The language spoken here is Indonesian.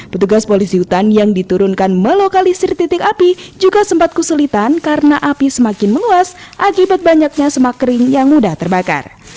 petugas polisi hutan yang diturunkan melokalisir titik api juga sempat kesulitan karena api semakin meluas akibat banyaknya semak kering yang mudah terbakar